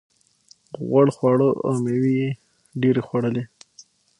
غوړ خواړه او مېوې یې ډېرې خوړلې.